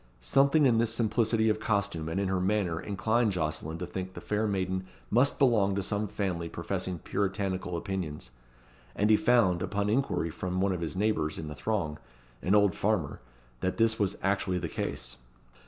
Something in this simplicity of costume and in her manner inclined Jocelyn to think the fair maiden must belong to some family professing Puritanical opinions; and he found, upon inquiry from one of his neighbours in the throng an old farmer that this was actually the case.